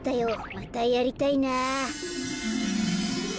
またやりたいなあ。